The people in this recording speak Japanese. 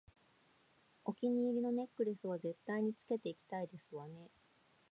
お気に入りのネックレスは絶対につけていきたいですわね